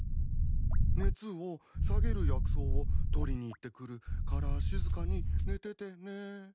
熱を下げる薬草をとりに行ってくるから静かに寝ててね。